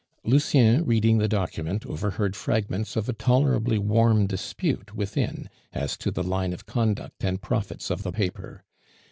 Lucien, reading the document, overheard fragments of a tolerably warm dispute within as to the line of conduct and profits of the paper.